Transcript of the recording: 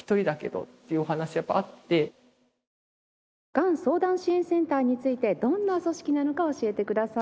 がん相談支援センターについてどんな組織なのか教えてください。